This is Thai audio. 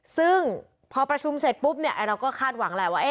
ซึ่งพอประชุมเสร็จปุ๊บเนี่ยเราก็คาดหวังแหละว่า